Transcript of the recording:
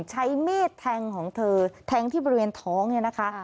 ใช้มีดแทงของเธอแทงที่บริเวณท้องเนี่ยนะคะ